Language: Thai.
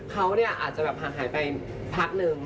เขาเนี่ยอาจจะหายไปพักหนึ่ง